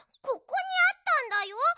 ここにあったんだよ。